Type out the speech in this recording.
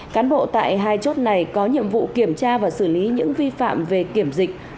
cán bộ tại hai chốt này có nhiệm vụ kiểm tra và xử lý những vi phạm về kiểm dịch